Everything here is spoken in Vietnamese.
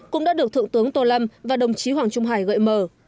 cũng đã được thượng tướng tô lâm và đồng chí hoàng trung hải gợi mở